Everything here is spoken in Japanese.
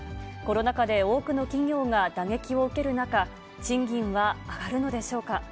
コロナ禍で多くの企業が打撃を受ける中、賃金は上がるのでしょうか。